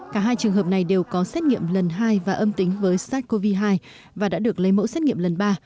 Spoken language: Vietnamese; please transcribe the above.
cả hai trường hợp này đều có xét nghiệm lần hai và âm tính với sars cov hai và đã được lấy mẫu xét nghiệm lần ba